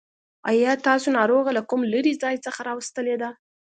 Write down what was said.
آيا تاسو ناروغه له کوم لرې ځای څخه راوستلې ده.